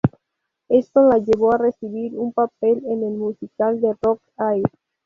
Esto la llevó a recibir un papel en el musical de rock "Hair.